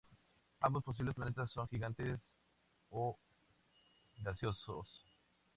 Ambos posibles planetas son gigante gaseosos.